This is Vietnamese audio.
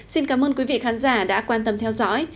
xin cảm ơn quý vị khán giả đã quan tâm theo dõi